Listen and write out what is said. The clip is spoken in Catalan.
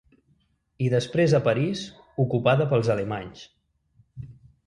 I després a París, ocupada pels alemanys.